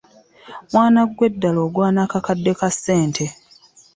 Mwana ggwe ddala ogwana akakadde ka ssente.